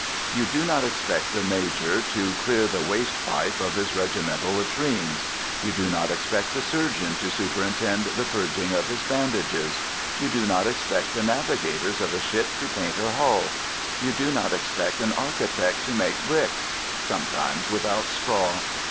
You do not expect the major to clear the waste pipe of his regimental latrines. You do not expect the surgeon to superintend the purging of his bandages. You do not expect the navigators of a ship to paint her hull. You do not expect an architect to make bricks (sometimes without straw).